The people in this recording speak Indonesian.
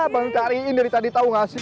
bang cariin dari tadi tau gak sih